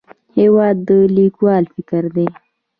هېواد د لیکوال فکر دی.